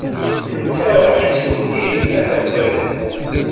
D netta ara aɣ-ittwellihen alamma d lmut.